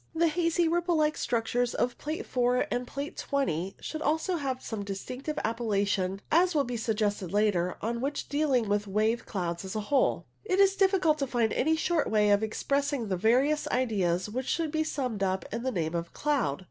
The hazy, ripple like structures of Plate 4 and Plate 20 S6 CIRRO STRATUS AND CIRRO CUMULUS should also have some distinctive appellation, as will be suggested later on when dealing with wave clouds as a whole. It is difficult to find any short way of expressing the various ideas which should be summed up in the name of a cloud.